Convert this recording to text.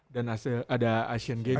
dan ada asian games